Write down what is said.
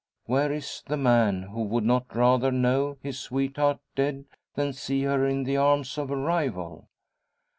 Where is the man who would not rather know his sweetheart dead than see her in the arms of a rival?